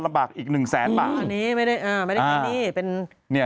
อีกหนึ่งแสนบาทอันนี้ไม่ได้อ่าไม่ได้มีหนี้เป็นเนี่ย